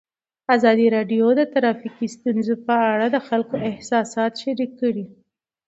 ازادي راډیو د ټرافیکي ستونزې په اړه د خلکو احساسات شریک کړي.